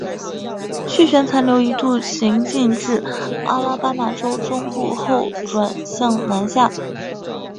气旋残留一度行进至阿拉巴马州中部后转向南下。